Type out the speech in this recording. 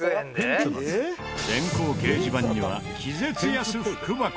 電光掲示板には気絶安福箱